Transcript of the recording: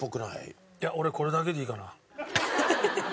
いや俺これだけでいいかな。